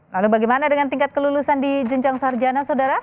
lalu bagaimana dengan tingkat kelulusan di jenjang sarjana saudara